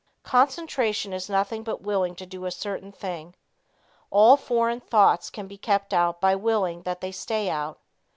Concentration is nothing but willing to do a certain thing. All foreign thoughts can be kept out by willing that they stay out.